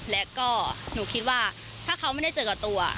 และก็หนูคิดว่าถ้าเขาไม่ได้เจอกับตัว